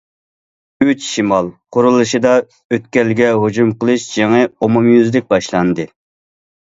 « ئۈچ شىمال» قۇرۇلۇشىدا ئۆتكەلگە ھۇجۇم قىلىش جېڭى ئومۇميۈزلۈك باشلاندى.